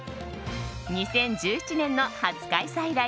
２０１７年の初開催以来